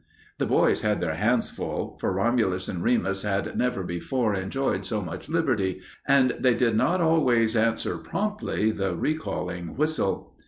The boys had their hands full, for Romulus and Remus had never before enjoyed so much liberty, and they did not always answer promptly the recalling whistle.